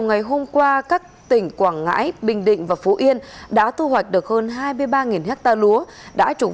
ngày hôm qua các tỉnh quảng ngãi bình định và phú yên đã thu hoạch được hơn hai mươi ba ha lúa đã chủng